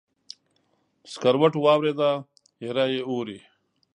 سکروټو واوریده، ایره یې اوري